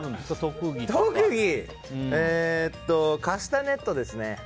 カスタネットですね。